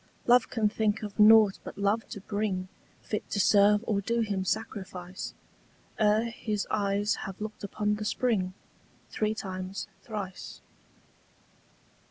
Love can think of nought but love to bring Fit to serve or do him sacrifice Ere his eyes have looked upon the spring Three times thrice.